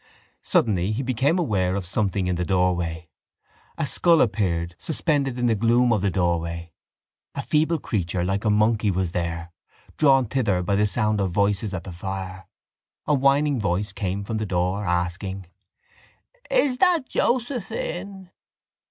Suddenly he became aware of something in the doorway. A skull appeared suspended in the gloom of the doorway. A feeble creature like a monkey was there, drawn thither by the sound of voices at the fire. A whining voice came from the door asking: —Is that Josephine?